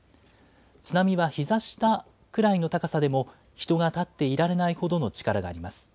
津波はひざ下くらいの高さでも、人が立っていられないほどの力があります。